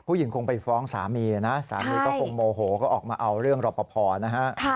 คงไปฟ้องสามีนะสามีก็คงโมโหก็ออกมาเอาเรื่องรอปภนะฮะ